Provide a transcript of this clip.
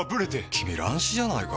君乱視じゃないか？